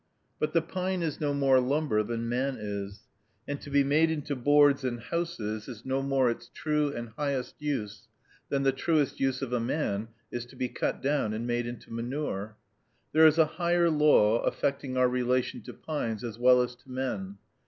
But the pine is no more lumber than man is, and to be made into boards and houses is no more its true and highest use than the truest use of a man is to be cut down and made into manure. There is a higher law affecting our relation to pines as well as to men.